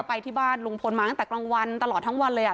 ไปที่บ้านลุงพลมาตั้งแต่กลางวันตลอดทั้งวันเลยอ่ะ